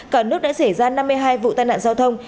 cả nước đã xảy ra năm mươi hai vụ tai nạn giao thông